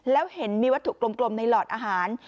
แล้วเห็นมีวัตถุกลมในหลอดอาหาร